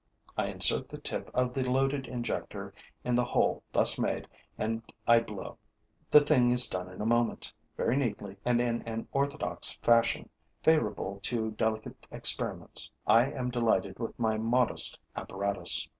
I insert the tip of the loaded injector in the hole thus made and I blow. The thing is done in a moment, very neatly and in an orthodox fashion, favorable to delicate experiments. I am delighted with my modest apparatus.